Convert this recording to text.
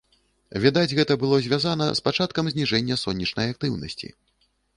Відаць, гэта было звязана з пачаткам зніжэння сонечнай актыўнасці.